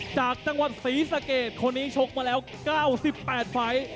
จากจังหวัดศรีสะเกดคนนี้ชกมาแล้ว๙๘ไฟล์